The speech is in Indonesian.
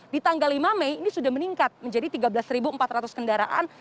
di tanggal lima mei ini sudah meningkat menjadi tiga belas empat ratus kendaraan